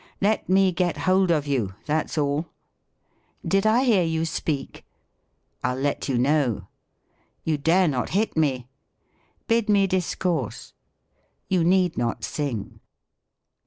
"Let me get hold of you, that's all!" " Did I hear you speak .?"" I'll let you know /"" You dare not hit me." "Bid me discourse." "You need not sing."